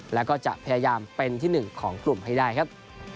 แล้วก็จะพยายามเป็นที่หนึ่งของกลุ่มให้ได้ครับ